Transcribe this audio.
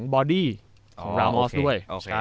บอดี้ราออสด้วย